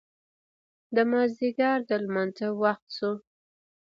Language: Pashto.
د مازدیګر د لمانځه وخت شو.